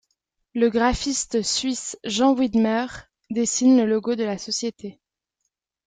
Le graphiste suisse Jean Widmer dessine le logo de la société.